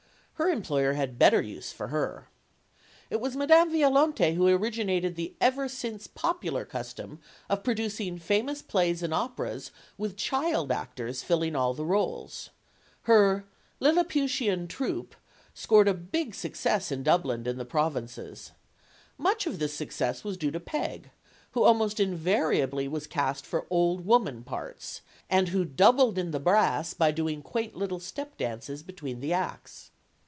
Her employer had better use for her. It was Madame Violante who originated the ever since popular custom of producing famous plays and operas, with child actors filling all the roles. Her "Liliputian Troupe" scored a big success in Dublin and the provinces. Much of this success was due to Peg, who almost invariably was cast for old woman parts, and who "doubled in the brass" by doing quaint little step dances between the acts.